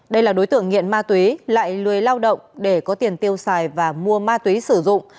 đây là đối tượng nghiện ma túy lại lười lao động để có tiền tiêu xài và mua ma túy sử dụng